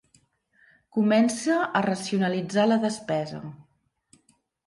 Comença a racionalitzar la despesa.